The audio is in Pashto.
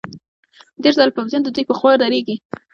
ډېر ځله پوځیان ددوی په خوا درېږي.